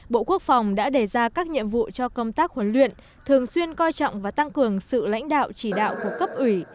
bộ quốc phòng đã đề ra các nhiệm vụ cho công tác huấn luyện thường xuyên coi trọng và tăng cường sự lãnh đạo chỉ đạo của cấp ủy